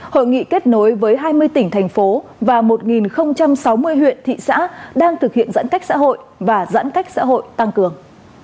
hội nghị kết nối với hai mươi tỉnh thành phố và một sáu mươi huyện thị xã đang thực hiện giãn cách xã hội và giãn cách xã hội tăng cường